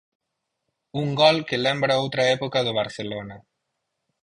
Un gol que lembra outra época do Barcelona.